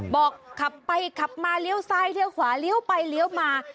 บอกขับไปขับมาเลี้ยวซ้ายเลี้ยวขวาเลี้ยวไปเลี้ยวมา